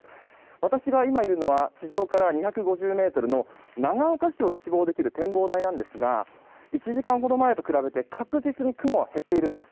私が今いるのは地上から２５０ｍの長岡市を一望できる展望台なんですが１時間ほど前と比べて確実に雲は減っているんです。